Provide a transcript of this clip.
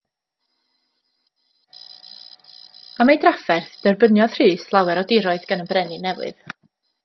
Am ei drafferth, derbyniodd Rhys lawer o diroedd gan y brenin newydd.